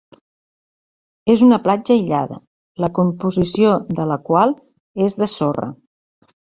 És una platja aïllada, la composició de la qual és de sorra.